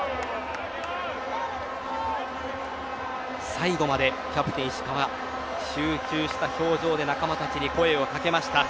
最後までキャプテン石川集中した表情で仲間たちに声をかけました。